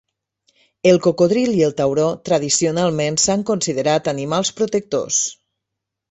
El cocodril i el tauró tradicionalment s'han considerat animals protectors.